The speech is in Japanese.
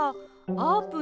あーぷん。